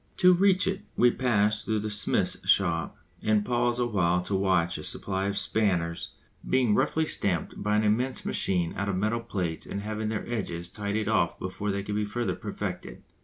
To reach it we pass through the smith's shop and pause awhile to watch a supply of spanners being roughly stamped by an immense machine out of metal plates and having their edges tidied off before they can be further perfected.